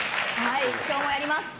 今日もやります。